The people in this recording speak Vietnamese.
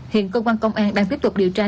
hiện công an công an đang tiếp tục điều tra